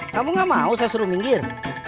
kamu gak mau saya suruh minggir